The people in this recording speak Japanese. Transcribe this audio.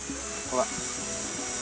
ほら。